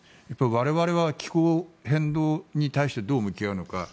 我々は気候変動に対してどう向き合うのか。